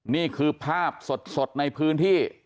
นี่คือภาพสดในพื้นที่